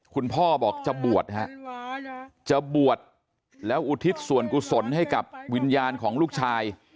พ่อบอกจะบวชฮะจะบวชแล้วอุทิศส่วนกุศลให้กับวิญญาณของลูกชาย